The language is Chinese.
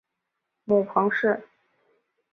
母彭氏。